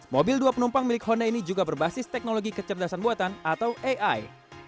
mobil dua penumpang milik honda ini juga berbasis teknologi kecerdasan buatan atau ai